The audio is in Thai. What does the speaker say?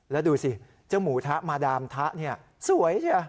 แล้วดูสิเจ้าหมูทะมาดามทะเนี่ยสวยเชีย